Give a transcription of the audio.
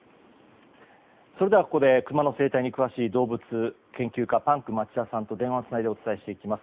それではここでクマの生態に詳しい動物研究家パンク町田さんと電話をつないでお伝えしていきます。